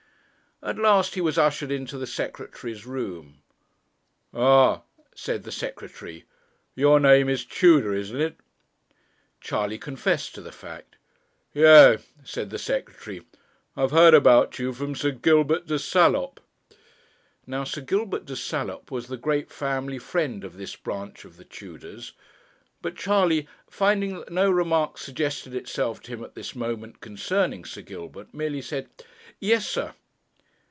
At last he was ushered into the Secretary's room. 'Ah!' said the Secretary, 'your name is Tudor, isn't it?' Charley confessed to the fact. 'Yea,' said the Secretary, 'I have heard about you from Sir Gilbert de Salop.' Now Sir Gilbert de Salop was the great family friend of this branch of the Tudors. But Charley, finding that no remark suggested itself to him at this moment concerning Sir Gilbert, merely said, 'Yes, sir.'